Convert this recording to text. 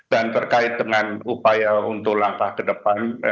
dan terkait dengan upaya untuk langkah ke depan